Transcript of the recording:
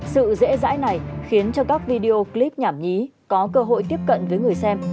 sự dễ dãi này khiến cho các video clip nhảm nhí có cơ hội tiếp cận với người xem